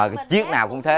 cái chiếc nào cũng thế